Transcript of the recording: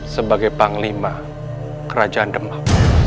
sebagai panglima kerajaan demak